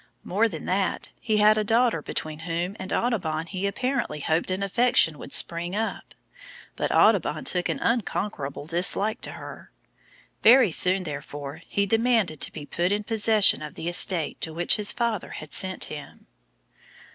More than that, he had a daughter between whom and Audubon he apparently hoped an affection would spring up. But Audubon took an unconquerable dislike to her. Very soon, therefore, he demanded to be put in possession of the estate to which his father had sent him.